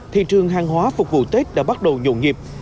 thị trường hàng hóa phục vụ tết đã bắt đầu nhộn nhịp